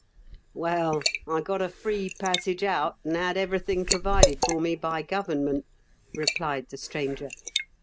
" Well, I got a free passage out, and had everything provided for me by Government," replied the stranger.